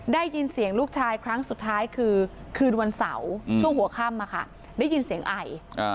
ได้ยินเสียงลูกชายครั้งสุดท้ายคือคืนวันเสาร์ช่วงหัวค่ำได้ยินเสียงไอ